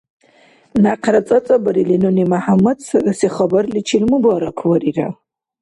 Някъра цӀацӀабарили, нуни МяхӀяммад сагаси хабарличил мубаракварира.